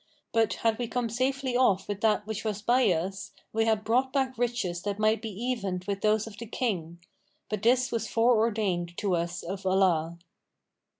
But, had we come safely off with that which was by us, we had brought back riches that might be evened with those of the King: but this was fore ordained to us of Allah.'